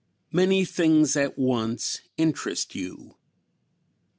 Many things at once interest you.